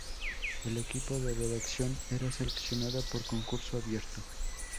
El equipo de redacción era seleccionado por concurso abierto.